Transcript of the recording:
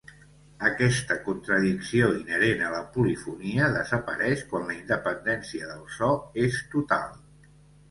Aquesta contradicció inherent a la polifonia desapareix quan la independència del so és total.